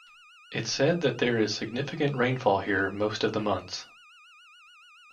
It said that there is significant rainfall here most of the months.